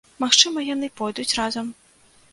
Магчыма, яны пойдуць разам.